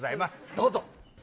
どうぞ。